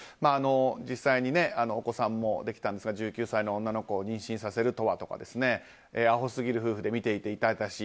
実際にお子さんもできたんですが１９歳の女の子を妊娠させるとはやあほすぎる夫婦で見ていて痛々しい。